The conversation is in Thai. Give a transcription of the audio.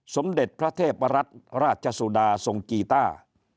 สมเด็จพระเทพรัฐราชสุดาทรงกีต้า